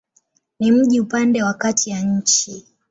Ni mji upande wa kati ya nchi.